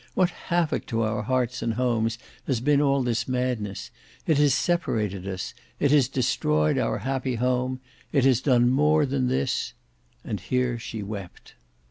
What havoc to our hearts and homes has been all this madness! It has separated us; it has destroyed our happy home; it has done more than this—" and here she wept.